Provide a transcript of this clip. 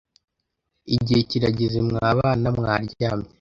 Igihe kirageze mwa bana mwaryamye.